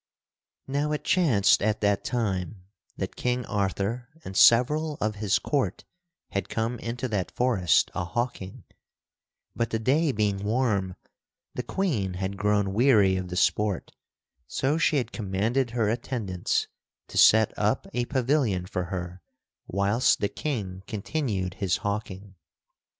Now it chanced at that time that King Arthur and several of his court had come into that forest ahawking; but, the day being warm, the Queen had grown weary of the sport, so she had commanded her attendants to set up a pavilion for her whilst the King continued his hawking.